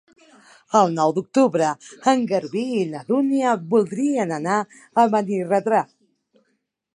El nou d'octubre en Garbí i na Dúnia voldrien anar a Benirredrà.